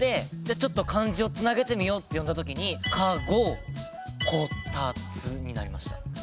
ちょっと漢字をつなげてみようって読んだ時に「かご」「こたつ」になりました。